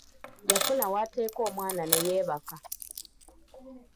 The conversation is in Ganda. Yafuna waateeka omwana ne yeebaka.